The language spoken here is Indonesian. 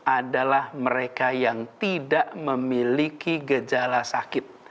adalah mereka yang tidak memiliki gejala sakit